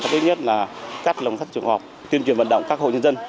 thứ nhất là cắt lồng sắt chuồng cọp tuyên truyền vận động các hộ nhân dân